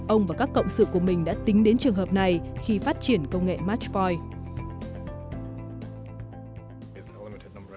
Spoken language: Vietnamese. ông và các cộng sự của mình đã tính đến trường hợp này khi phát triển công nghệ matppoin